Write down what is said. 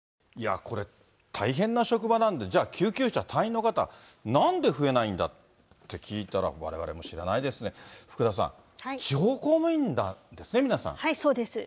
これ、大変な職場なんで、じゃあ、救急車、隊員の方、なんで増えないんだって聞いたら、われわれも知らないですね、福田さん、地方公務員なんですってね、はい、そうです。